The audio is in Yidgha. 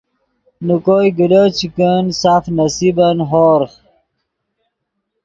نے کوئے گلو چے کن سف نصیبن ہورغ